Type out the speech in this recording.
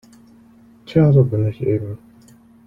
Tja, so bin ich eben.